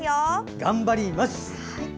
頑張ります！